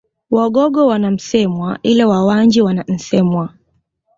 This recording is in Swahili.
Wagogo wana Msemwa ila Wawanji wana Nsemwa